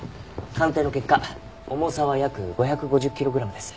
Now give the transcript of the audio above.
鑑定の結果重さは約５５０キログラムです。